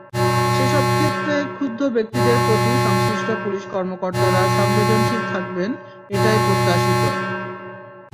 সেসব ক্ষেত্রে ক্ষুব্ধ ব্যক্তিদের প্রতি সংশ্লিষ্ট পুলিশ কর্মকর্তারা সংবেদনশীল থাকবেন, এটাই প্রত্যাশিত।